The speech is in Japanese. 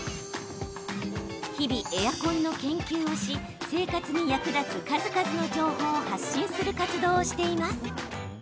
日々、エアコンの研究をし生活に役立つ数々の情報を発信する活動をしています。